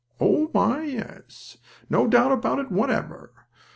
Oh, my, yes! No doubt about it whatever!